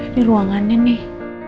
ini ruangannya nih